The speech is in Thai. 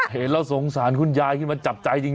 เห็นแล้วสงสารคุณยายขึ้นมาจับใจจริง